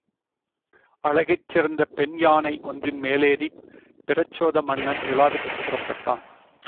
அழகிற் சிறந்த பெண் யானை ஒன்றின் மேலேறிப் பிரச்சோதன மன்னன் விழாவிற்குப் புறப்பட்டான்.